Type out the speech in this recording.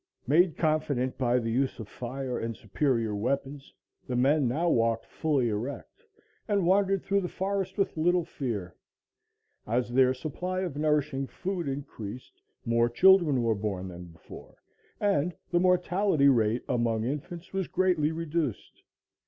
Made confident by the use of fire and superior weapons, the men now walked fully erect and wandered through the forest with little fear. As their supply of nourishing food increased, more children were born than before, and the mortality among infants was greatly reduced.